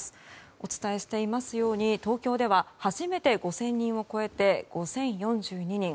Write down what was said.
お伝えしているように東京では初めて５０００人を超えて５０４２人。